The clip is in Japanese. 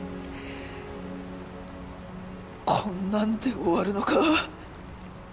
こんなんで終わるのか